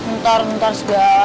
ntar ntar sudah